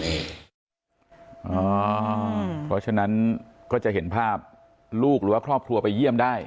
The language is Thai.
เพราะฉะนั้นก็จะเห็นภาพลูกหรือว่าครอบครัวไปเยี่ยมได้